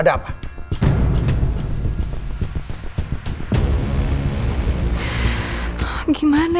tidak ada hubungannya